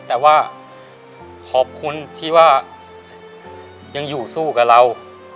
แต่ว่าขอบคุณที่ว่ายังอยู่สู้กับเรา